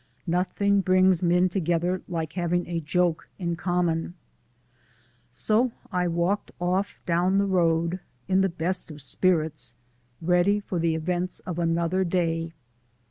Nothing brings men together like having a joke in common. So I walked off down the road in the best of spirits ready for the events of another day.